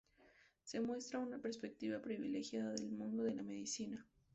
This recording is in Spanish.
Se muestra una perspectiva privilegiada del mundo de la medicina.